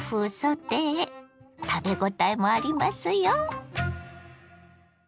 食べごたえもありますよ。